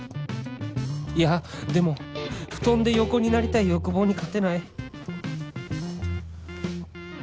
いやでも布団で横になりたい欲望に勝てない